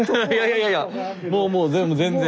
いやいやいやもうもう全部全然。